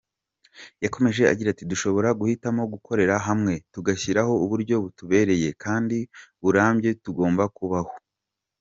Yakomeje agira ati “Dushobora guhitamo gukorera hamwe, tugashyiraho uburyo butubereye kandi burambye tugomba kubaho.